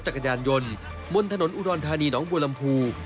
รถจักรยานยนต์มนทอุดรธานีหนองบวลัมภู